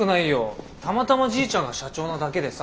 たまたまじいちゃんが社長なだけでさ。